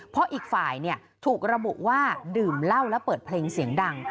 เพราะอีกฝ่ายถูกระบุว่าดื่มเหล้าและเปิดเพลงเสียงดัง